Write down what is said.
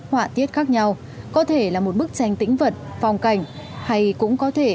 họa tiết khác nhau có thể là một bức tranh tĩnh vật phong cảnh hay cũng có thể